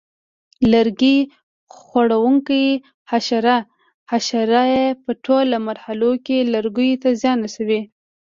لرګي خوړونکي حشرې: حشرې په ټولو مرحلو کې لرګیو ته زیان رسوي.